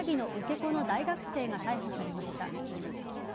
子の大学生が逮捕されました。